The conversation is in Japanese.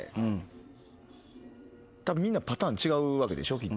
たぶんみんなパターン違うわけでしょ？